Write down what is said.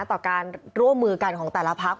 ต่อการร่วมมือกันของแต่ละพัก